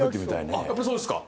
やっぱそうですか。